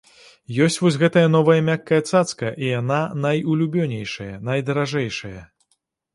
Ёсць вось гэтая новая мяккая цацка і яна найулюбёнейшая, найдаражэйшая.